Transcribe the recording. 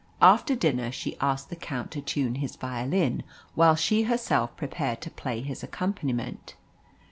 After dinner she asked the Count to tune his violin, while she herself prepared to play his accompaniment.